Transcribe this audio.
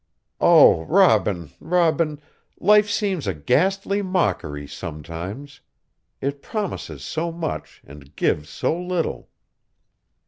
Oh, Robin, Robin, life seems a ghastly mockery, sometimes. It promises so much and gives so little."